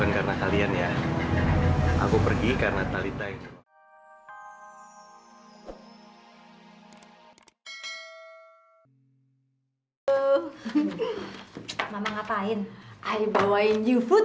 aku pergi karena talitha itu